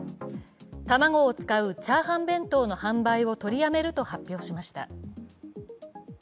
卵を使う炒飯弁当の販売を取りやめると発表しました。